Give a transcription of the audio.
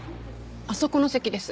あそこの席です。